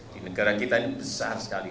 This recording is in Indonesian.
di negara kita ini besar sekali